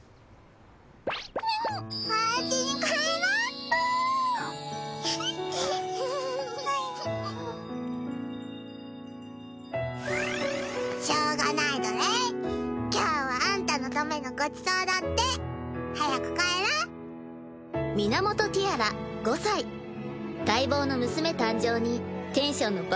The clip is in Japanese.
おうちに帰ろしょうがない奴隷今日はあんたのためのごちそうだって早く帰ろ源てぃあら５歳待望の娘誕生にテンションの爆